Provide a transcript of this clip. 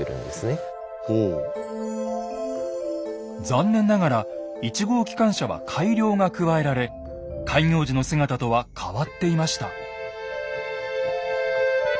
残念ながら１号機関車は改良が加えられ開業時の姿とは変わっていました。